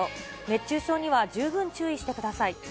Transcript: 熱中症には十分注意してください。